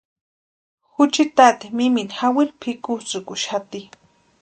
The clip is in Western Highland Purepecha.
Juchiti tati mimini jawiri pʼikuntsikuxati.